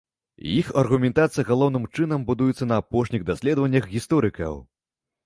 Іх аргументацыя галоўным чынам будуецца на апошніх даследаваннях гісторыкаў.